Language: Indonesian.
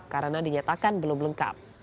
karena dinyatakan belum lengkap